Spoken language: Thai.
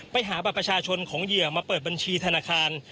ไปหาบัตรประชาชนของเหยื่อมาเปิดบัญชีธนาคาร